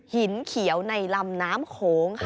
หินเขียวในลำน้ำโขงค่ะ